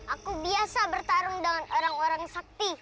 aku biasa bertarung dengan orang orang sakti